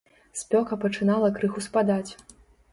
Спёка пачынала крыху спадаць.